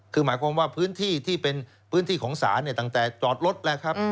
คือหมายความว่าพื้นที่ที่เป็นพื้นที่ของศาลตั้งแต่จอดรถแล้วครับ